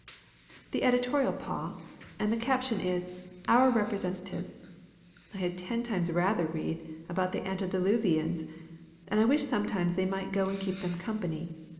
"The editorial, pa, and the caption is, 'Our Representatives.' I had ten times rather read about the antediluvians, and I wish sometimes they might go and keep them company.